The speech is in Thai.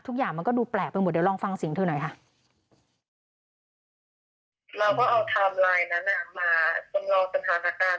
ทุกอย่างมันก็ดูแปลกไปหมดเดี๋ยวลองฟังเสียงเธอหน่อยค่ะ